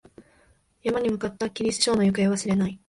山に向かったきり、師匠の行方は知れない。